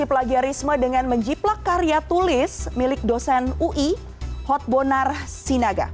plagiarisme dengan menjiplak karya tulis milik dosen ui hotbonar sinaga